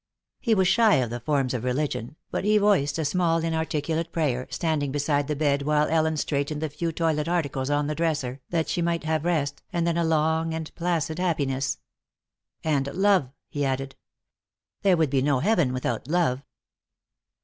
He was shy of the forms of religion, but he voiced a small inarticulate prayer, standing beside the bed while Ellen straightened the few toilet articles on the dresser, that she might have rest, and then a long and placid happiness. And love, he added. There would be no Heaven without love.